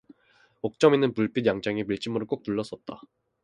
옥점이는 물빛 양장에 밀짚모를 꼭 눌러 썼다.